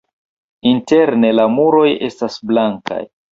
Interne la muroj estas blankaj.